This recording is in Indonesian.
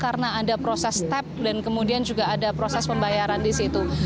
karena ada proses step dan kemudian juga ada proses pembayaran di situ